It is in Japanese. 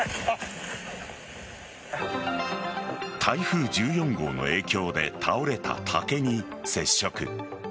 台風１４号の影響で倒れた竹に接触。